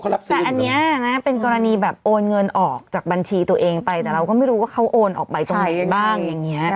แต่อันนี้นะเป็นกรณีแบบโอนเงินออกจากบัญชีตัวเองไปแต่เราก็ไม่รู้ว่าเขาโอนออกไปตรงไหนบ้างอย่างนี้